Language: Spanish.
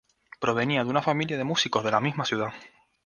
Provenía de una familia de músicos de la misma ciudad.